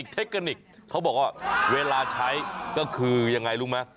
เทคนิคเขาบอกว่าเวลาใช้ก็คือยังไงรู้ไหม